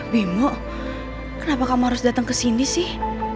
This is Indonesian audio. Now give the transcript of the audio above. bimo kenapa kamu harus datang kesini sih